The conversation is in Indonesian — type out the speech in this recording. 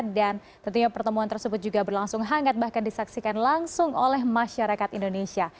dan tentunya pertemuan tersebut juga berlangsung hangat bahkan disaksikan langsung oleh masyarakat indonesia